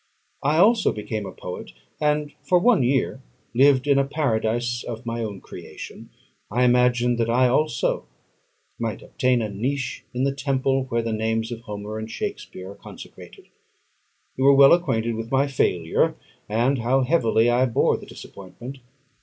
I also became a poet, and for one year lived in a Paradise of my own creation; I imagined that I also might obtain a niche in the temple where the names of Homer and Shakspeare are consecrated. You are well acquainted with my failure, and how heavily I bore the disappointment.